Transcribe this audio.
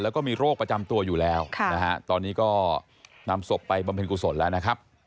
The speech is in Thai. แล้วก็มีโรคประจำตัวอยู่แล้วนะฮะตอนนี้ก็นำศพไปบำเพ็ญกุศลแล้วนะครับ